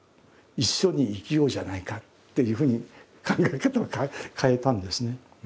一緒に生きようじゃないか」っていうふうに考え方を変えたんですね。